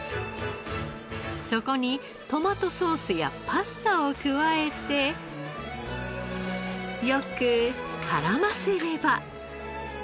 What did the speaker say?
そこにトマトソースやパスタを加えてよく絡ませれば。